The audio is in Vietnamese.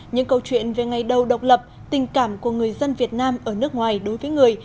những câu chuyện về ngày đầu độc lập tình cảm của người dân việt nam ở nước ngoài đối với người